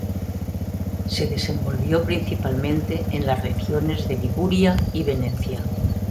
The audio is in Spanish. Se desenvolvió, principalmente, en las regiones de Liguria y Venecia.